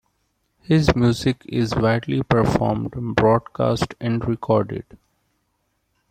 His music is widely performed, broadcast and recorded.